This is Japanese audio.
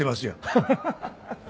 ハハハハ！